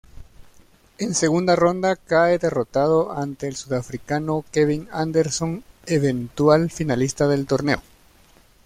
En segunda ronda cae derrotado ante el sudafricano Kevin Anderson eventual finalista del torneo.